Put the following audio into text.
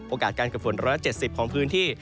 โอกาสการเกิดฝน๑๗๐องศาของพื้นที่